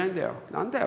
何だよ